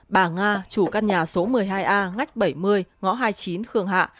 bà nga chủ căn nhà số một mươi hai a ngách bảy mươi ngõ hai mươi chín khương hạ